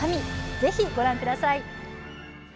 ぜひご覧ください。